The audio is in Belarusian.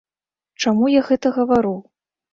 Чаму я гэта гавару?